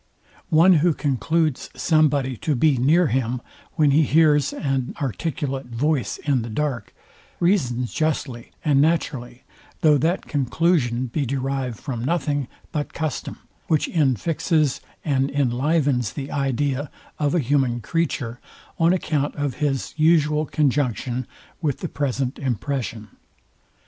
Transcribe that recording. One who concludes somebody to be near him, when he hears an articulate voice in the dark, reasons justly and naturally; though that conclusion be derived from nothing but custom, which infixes and inlivens the idea of a human creature, on account of his usual conjunction with the present impression.